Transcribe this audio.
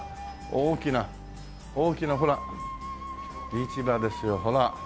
大きな大きなほら市場ですよほら！